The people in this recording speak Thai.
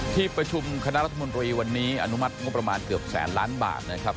ที่ประชุมคณะรัฐมนตรีวันนี้อนุมัติงบประมาณเกือบแสนล้านบาทนะครับ